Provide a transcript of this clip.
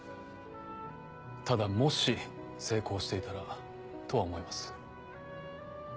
ただ「もし成功していたら」とは思います。